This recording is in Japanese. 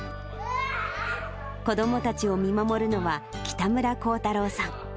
子どもたちを見守るのは、北村耕太郎さん。